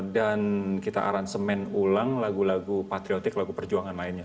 dan kita aransemen ulang lagu lagu patriotik lagu perjuangan lainnya